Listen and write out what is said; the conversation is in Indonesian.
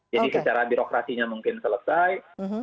jadi secara birokrasinya mungkin selesai